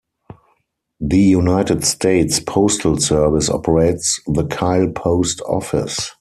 The United States Postal Service operates the Kyle Post Office.